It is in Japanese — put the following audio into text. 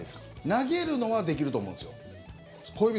投げるのはできると思うんですよ。